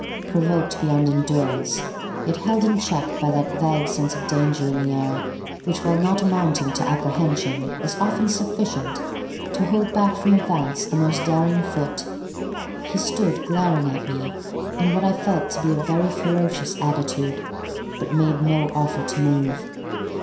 Provoked beyond endurance, yet held in check by that vague sense of danger in the air, which while not amounting to apprehension is often sufficient to hold back from advance the most daring foot, he stood glaring at me in what I felt to be a very ferocious attitude, but made no offer to move.